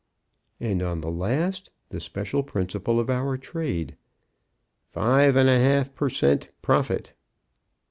And on the last, the special principle of our trade, "Five and a half per cent. profit."